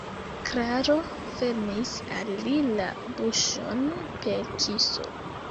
Klaro fermis al li la buŝon per kiso.